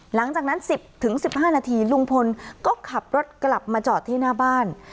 หลังจากนั้น๑๐๑๕นาทีลุงพลก็ขับรถกลับมาจอดที่หน้าบ้าน